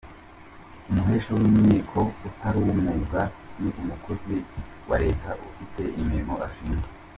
Umuhesha w’inkiko utari uw’umwuga ni umukozi wa Leta ufite imirimo ashinzwe.